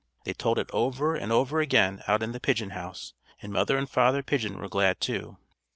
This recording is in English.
They told it over and over again out in the pigeon house, and Mother and Father Pigeon were glad, too.